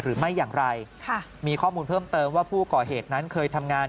หรือไม่อย่างไรค่ะมีข้อมูลเพิ่มเติมว่าผู้ก่อเหตุนั้นเคยทำงาน